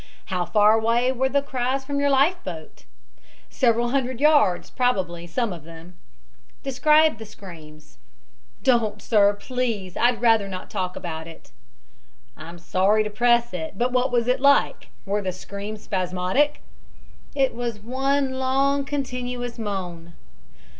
"How far away were the cries from your life boat?" "Several hundred yards, probably, some of them." "Describe the screams." "Don't, sir, please! I'd rather not talk about it." "I'm sorry to press it, but what was it like? Were the screams spasmodic?" "It was one long continuous moan."